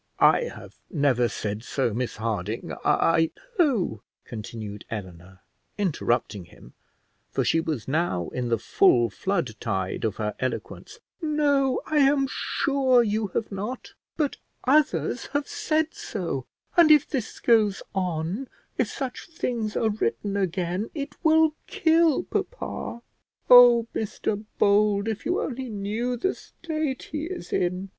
"I have never said so, Miss Harding. I " "No," continued Eleanor, interrupting him, for she was now in the full flood tide of her eloquence; "no, I am sure you have not; but others have said so; and if this goes on, if such things are written again, it will kill papa. Oh! Mr Bold, if you only knew the state he is in!